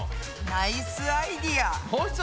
ナイスアイデア！